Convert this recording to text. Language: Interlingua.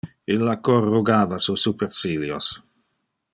Illa corrugava su supercilios.